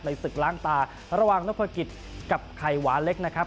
ศึกล้างตาระหว่างนพกิจกับไข่หวานเล็กนะครับ